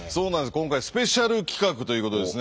今回スペシャル企画ということでですね